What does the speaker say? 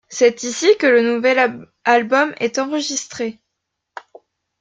C'est ici que le nouvel album est enregistré.